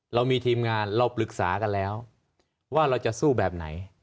เรามีทีมงานเราปรึกษากันแล้วว่าเราจะสู้แบบไหน